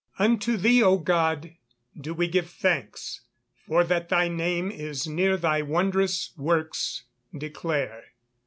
[Verse: "Unto thee, O God, do we give thanks: for that thy name is near thy wondrous works declare."